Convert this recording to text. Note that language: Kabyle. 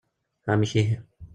Amek ihi.